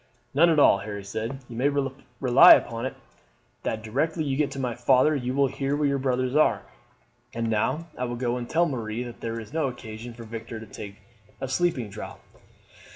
"None at all," Harry said. "You may rely upon it that directly you get to my father you will hear where your brothers are. And now I will go and tell Marie that there is no occasion for Victor to take a sleeping draught."